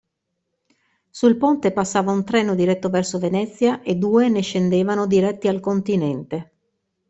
Sul ponte passava un treno diretto verso Venezia e due ne scendevano diretti al continente.